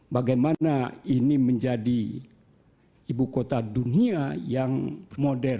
bagaimana ini menjadi ibu kota dunia yang modern